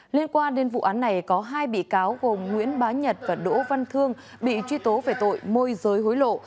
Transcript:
liên quan đến vụ án này có hai bị cáo gồm nguyễn bá nhật và đỗ văn thương bị truy tố về tội môi giới hối lộ